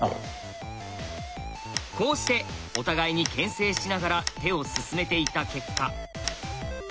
こうしてお互いに牽制しながら手を進めていった結果。